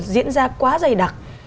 diễn ra quá dày đặc